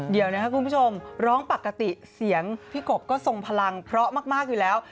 เดี๋ยวนะครับคุณผู้ชมร้องปกติเสียงพี่กบก็ทรงพลังเพราะมากอยู่แล้ว